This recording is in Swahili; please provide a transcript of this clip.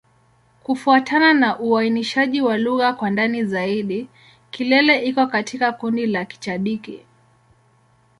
Kufuatana na uainishaji wa lugha kwa ndani zaidi, Kilele iko katika kundi la Kichadiki.